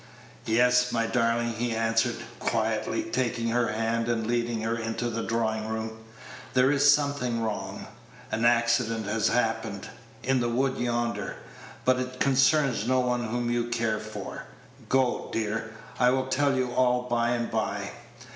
"Yes, my darling," he answered, quietly, taking her hand and leading her into the drawing room, "there is something wrong. An accident has happened in the wood yonder; but it concerns no one whom you care for. Go, dear; I will tell you all by and by.